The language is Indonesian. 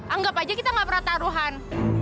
anggap aja kita gak pernah taruhan